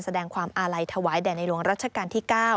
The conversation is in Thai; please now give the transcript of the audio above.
แสดงความอาลัยถวายแด่ในหลวงรัชกาลที่๙